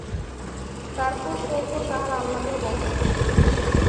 তারপর চলত তার আহ্ণাদের বহর।